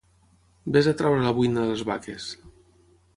Ves a treure la buina de les vaques